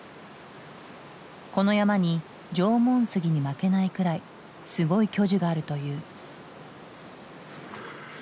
この山に縄文杉に負けないくらいすごい巨樹があるという。